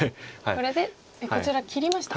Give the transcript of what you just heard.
これでこちら切りました。